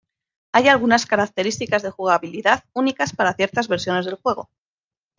Hay algunas características de jugabilidad únicas para ciertas versiones del juego.